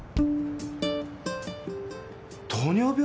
糖尿病？